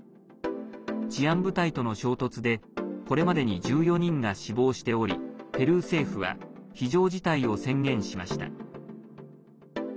治安部隊との衝突でこれまでに１４人が死亡しておりペルー政府は非常事態を宣言しました。